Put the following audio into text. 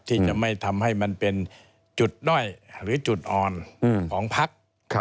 ที่จะไม่ทำให้มันเป็นจุดด้อยหรือจุดอ่อนของพัก